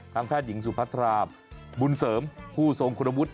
แพทย์หญิงสุพัทราบุญเสริมผู้ทรงคุณวุฒิ